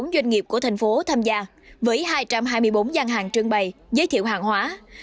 một trăm hai mươi bốn doanh nghiệp của tp hcm tham gia với hai trăm hai mươi bốn gian hàng trương bày giới thiệu hàng hóa